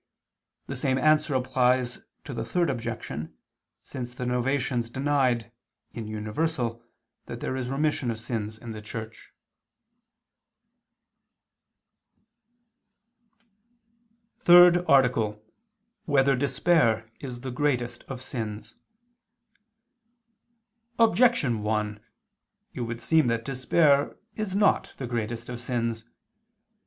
The same answer applies to the Third Objection, since the Novatians denied, in universal, that there is remission of sins in the Church. _______________________ THIRD ARTICLE [II II, Q. 20, Art. 3] Whether Despair Is the Greatest of Sins? Objection 1: It would seem that despair is not the greatest of sins.